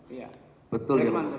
iya betul ya